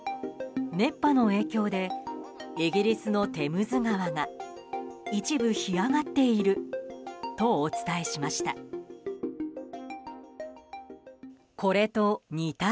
熱波の影響でイギリスのテムズ川が一部干上がっているとお伝えしました。